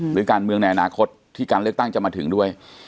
หรือการเมืองในอนาคตที่การเลือกตั้งจะมาถึงด้วย